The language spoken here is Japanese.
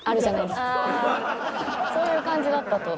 そういう感じだったと。